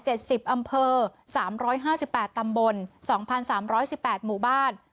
สิบอำเภอสามร้อยห้าสิบแปดตำบลสองพันสามร้อยสิบแปดหมู่บ้าน